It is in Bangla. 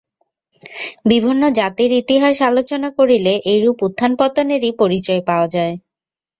বিভিন্ন জাতির ইতিহাস আলোচনা করিলে এইরূপ উত্থান-পতনেরই পরিচয় পাওয়া যায়।